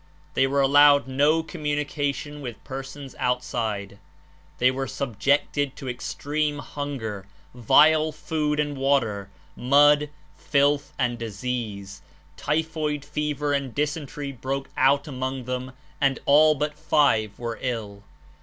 They were allowed no communication wMth persons outside; they were subjected to extreme hunger, vile food and water, mud, filth and disease; typhoid fever and dysentery broke out among them and all but five were ill.